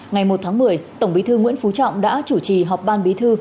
ngày một tháng một mươi tổng bí thư nguyễn phú trọng đã chủ trì họp ban bí thư